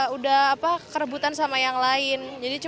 suruh nyimpen aja gitu